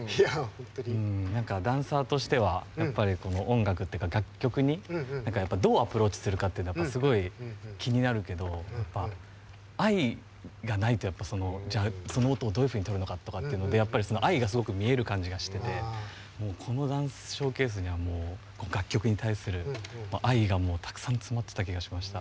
何かダンサーとしてはやっぱりこの音楽ってか楽曲にどうアプローチするかってやっぱすごい気になるけど愛がないとやっぱその音をどういうふうにとるのかとかっていうのでやっぱり愛がすごく見える感じがしててもうこのダンスショーケースにはもうこの楽曲に対する愛がたくさん詰まってた気がしました。